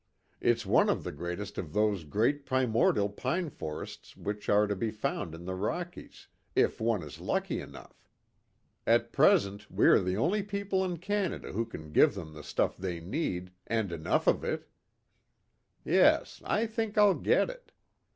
It's one of the greatest of those great primordial pine forests which are to be found in the Rockies, if one is lucky enough. At present we are the only people in Canada who can give them the stuff they need, and enough of it. Yes, I think I'll get it.